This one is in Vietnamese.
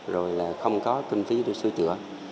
rồi là không có kinh phí để sưu tựa